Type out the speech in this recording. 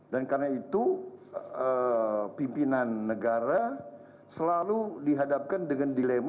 dan karena itu pimpinan negara selalu dihadapkan dengan dilema